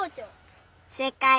せいかい！